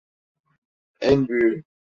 En büyüğü.